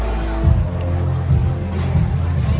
สโลแมคริปราบาล